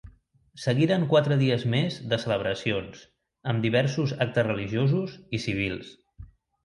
Seguiren quatre dies més de celebracions, amb diversos actes religiosos i civils.